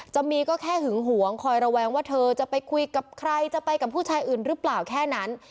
จะมีก็แค่หึงหวงคอยระแวงว่าเธอจะไปคุยกับใครจะไปกับผู้ชายอื่นหรือเปล่าแค่นั้น